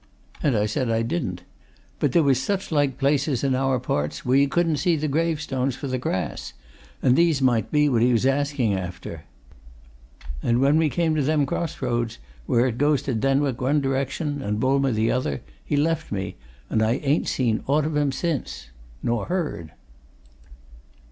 And I said I didn't, but that there was such like places in our parts where you couldn't see the gravestones for the grass, and these might be what he was asking after. And when we came to them cross roads, where it goes to Denwick one direction and Boulmer the other, he left me, and I ain't seen aught of him since. Nor heard."